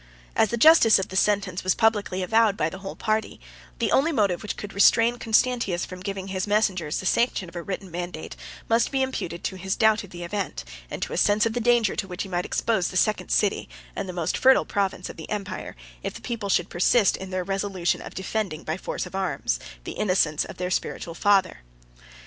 As the justice of the sentence was publicly avowed by the whole party, the only motive which could restrain Constantius from giving his messengers the sanction of a written mandate, must be imputed to his doubt of the event; and to a sense of the danger to which he might expose the second city, and the most fertile province, of the empire, if the people should persist in the resolution of defending, by force of arms, the innocence of their spiritual father.